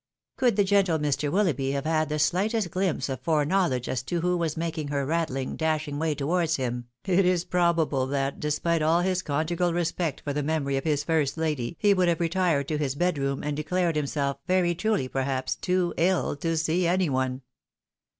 Could the gentle Mr. WiUoughby have had the slightest gUmpse of fore knowledge as to who was making her rattling, dashing way towards him, it is probable that, despite all his conjugal respect for the memory of his first lady, he would have retired to his bed room, and de clared himself, very truly perhaps, too iU to see any one.